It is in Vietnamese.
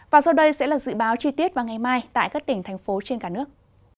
và sau đây sẽ là dự báo chi tiết vào ngày mai tại các tỉnh thành phố trên cả nước